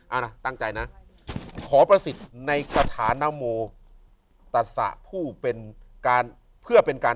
เอาล่ะตั้งใจนะขอประสิทธิ์ในกษะนอมโมตัสสะผู้เป็นการ